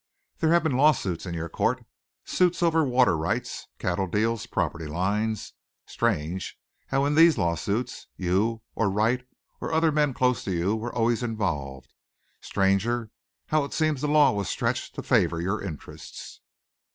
"There have been law suits in your court suits over water rights, cattle deals, property lines. Strange how in these law suits, you or Wright or other men close to you were always involved! Stranger how it seems the law was stretched to favor your interests!"